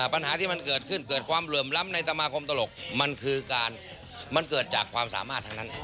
ปัญหาที่มันเกิดขึ้นเกิดความเหลื่อมล้ำในสมาคมตลกมันคือการมันเกิดจากความสามารถทั้งนั้น